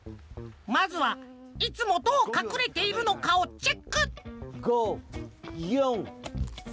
まずはいつもどうかくれているのかをチェック５４３２１。